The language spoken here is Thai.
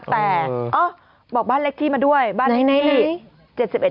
แต่อ้อบอกบ้านเล็กที่มาด้วยบ้านที่๗๑ทับ๓